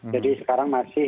jadi sekarang masih